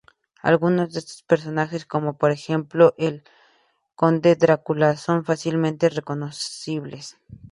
Algunos de estos personajes, como por ejemplo el conde Drácula, son fácilmente reconocibles.